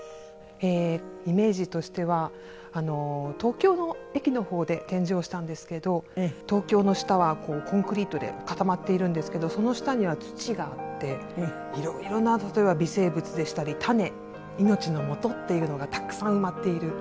イメージとしては東京の駅の方で展示をしたんですけど東京の下はコンクリートで固まっているんですけどその下には土があって色々な例えば微生物でしたり種命のもとっていうのがたくさん埋まっている。